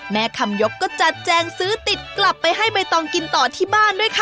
แม่คำยกก็จัดแจงซื้อติดกลับไปให้ใบตองกินต่อที่บ้านด้วยค่ะ